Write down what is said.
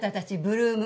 ＬＯＯＭ